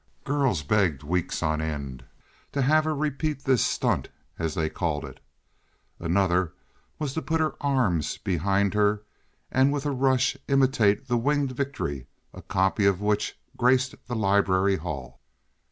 Girls begged weeks on end to have her repeat this "stunt," as they called it. Another was to put her arms behind her and with a rush imitate the Winged Victory, a copy of which graced the library hall.